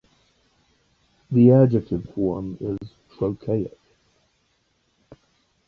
The adjective form is "trochaic".